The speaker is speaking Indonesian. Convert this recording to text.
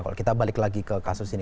kalau kita balik lagi ke kasus ini